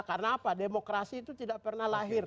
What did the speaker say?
karena apa demokrasi itu tidak pernah lahir